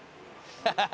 「ハハハハ！